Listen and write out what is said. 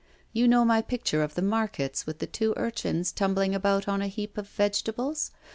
You know my picture of the markets, with the two urchins tumbling about on a heap of vegetables?